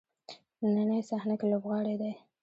نننۍ صحنه کې لوبغاړی دی.